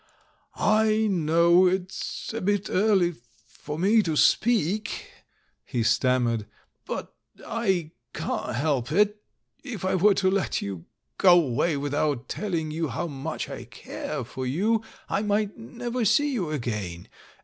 "I know it's a bit early for me to speak," he stammered, "but I can't help it — if I were to let you go away without telling you how much I care for you, I might never see you again.